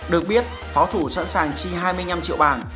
được biết pháo thủ sẵn sàng chi hai mươi năm triệu bảng